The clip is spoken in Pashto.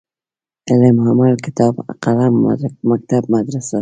علم ،عمل ،کتاب ،قلم ،مکتب ،مدرسه